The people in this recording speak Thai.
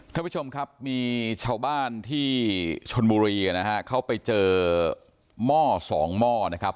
ท่านผู้ชมครับมีชาวบ้านที่ชนบุรีนะฮะเขาไปเจอหม้อสองหม้อนะครับ